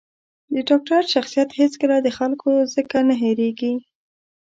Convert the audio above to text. د ډاکتر شخصیت هېڅکله د خلکو ځکه نه هېرېـږي.